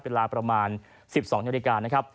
เป็น๑๐๒นนะครับ